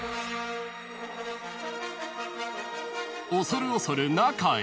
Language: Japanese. ［恐る恐る中へ］